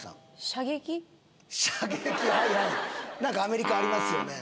射撃何かアメリカありますよね